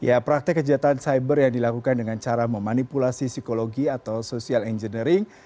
ya praktek kejahatan cyber yang dilakukan dengan cara memanipulasi psikologi atau social engineering